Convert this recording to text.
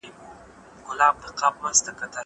زه موبایل نه کاروم!